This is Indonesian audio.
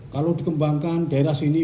kalau dikembangkan daerah sini